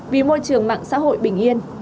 vì môi trường mạng xã hội bình yên